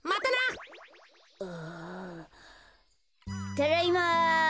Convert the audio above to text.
ただいま。